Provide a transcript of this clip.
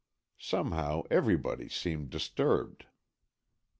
Somehow, everybody seemed disturbed.